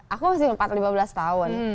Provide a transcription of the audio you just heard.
aku masih empat lima belas tahun